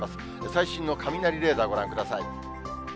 最新の雷レーダーご覧ください。